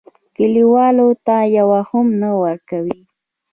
کلیوالو ته یوه هم نه ورکوي.